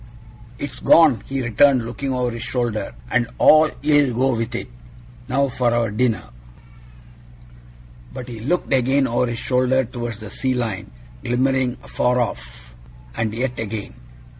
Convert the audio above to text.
'It's gone!' he returned, looking over his shoulder. 'And all ill go with it. Now for our dinner!' But he looked again over his shoulder towards the sea line glimmering afar off, and yet again.